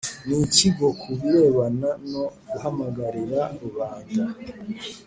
N ikigo ku birebana no guhamagarira rubanda